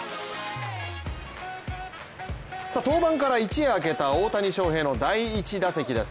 登板から一夜明けた大谷翔平の第１打席です。